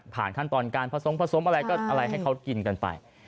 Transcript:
ขั้นตอนการผสมผสมอะไรก็อะไรให้เขากินกันไป